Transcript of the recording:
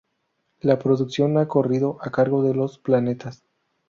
La producción ha corrido a cargo de Los Planetas.